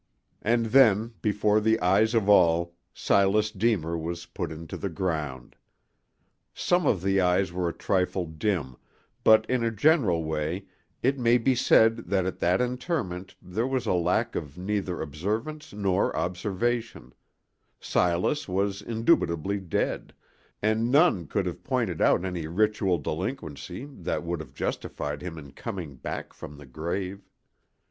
And then, before the eyes of all, Silas Deemer was put into the ground. Some of the eyes were a trifle dim, but in a general way it may be said that at that interment there was lack of neither observance nor observation; Silas was indubitably dead, and none could have pointed out any ritual delinquency that would have justified him in coming back from the grave.